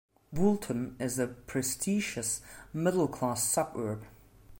Woolton is a prestigious middle class suburb.